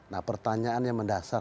nah pertanyaan yang mendasar